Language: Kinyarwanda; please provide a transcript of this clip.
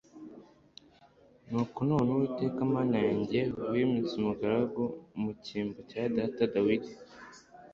nuko none, uwiteka mana yanjye, wimitse umugaragu mu cyimbo cya data dawidi